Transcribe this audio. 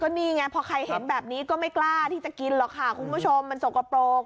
นี่ไงพอใครเห็นแบบนี้ก็ไม่กล้าที่จะกินหรอกค่ะคุณผู้ชมมันสกปรก